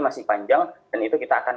masih panjang dan itu kita akan